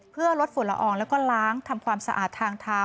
เพื่อลดฝุ่นละอองแล้วก็ล้างทำความสะอาดทางเท้า